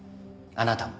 あなたも。